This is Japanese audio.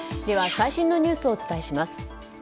では最新のニュースをお伝えします。